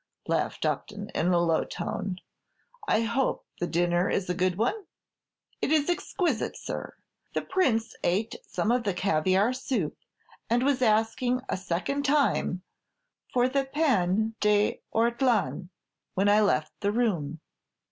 laughed Upton, in a low tone. "I hope the dinner is a good one?" "It is exquisite, sir; the Prince ate some of the caviare soup, and was asking a second time for the 'pain des ortolans' when I left the room."